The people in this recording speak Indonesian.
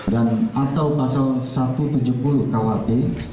dan atau pasal satu ratus tujuh puluh khp